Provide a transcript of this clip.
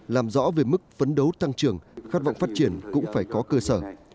làm rõ về mức phấn đấu tăng trưởng khát vọng phát triển cũng phải có cơ sở